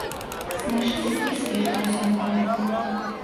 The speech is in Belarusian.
Знайшліся і сведку ўсяму гэтаму.